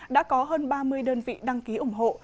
đã có hơn ba mươi đơn vị đăng ký ủng hộ